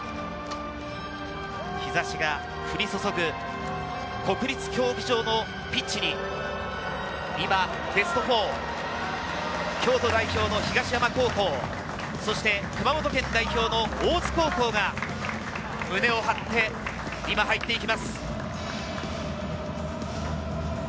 日差しが降り注ぐ国立競技場のピッチに今ベスト４、京都代表の東山高校、そして熊本県代表の大津高校が今、胸を張って入っていきます。